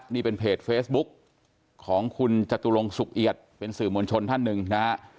นี่เป็นเพจเฟซบุ๊กของคุณจตุรงสุกเอียดเป็นสื่อมวลชนท่านหนึ่งนะฮะ